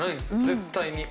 絶対に。